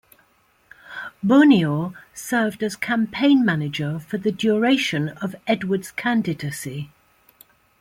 Bonior served as campaign manager for the duration of Edwards' candidacy.